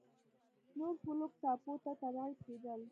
نورفولک ټاپو ته تبعید کېدل.